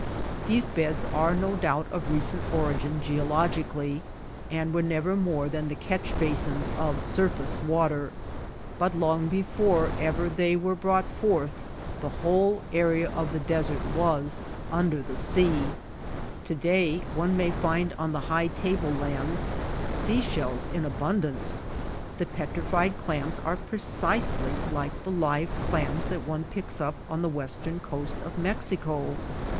These beds are no doubt of recent origin geologically, and were never more than the catch basins of sur face water ; but long before ever they were brought forth the whole area of the desert was under the sea. To day one may find on Oases in the waste. Catch basins, 36 THE DESERT the high table lands sea shells in abundance. The petrified clams are precisely like the live clams that one picks up on the western coast of Mexico.